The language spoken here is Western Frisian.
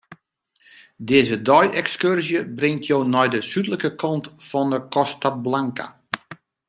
Dizze dei-ekskurzje bringt jo nei de súdlike kant fan 'e Costa Blanca.